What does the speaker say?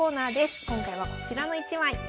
今回はこちらの１枚。